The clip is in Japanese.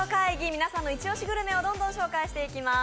皆さんの一押しグルメをどんどん紹介していきます。